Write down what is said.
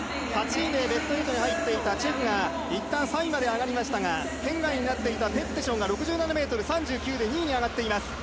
８位でベスト８に入っていたチェフがいったん３位まで上がりましたが圏外になっていたペッテションが２位に上がっています。